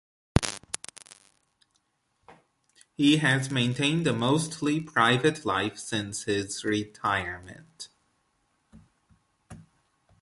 He has maintained a mostly private life since his retirement.